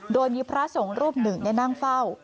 โดยมีพระสงฆ์รูปหนึ่งนั่งเฝ้า